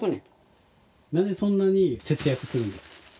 なんでそんなに節約するんですか？